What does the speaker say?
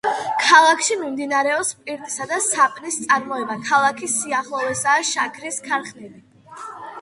ქალაქში მიმდინარეობს სპირტისა და საპნის წარმოება, ქალაქის სიახლოვესაა შაქრის ქარხნები.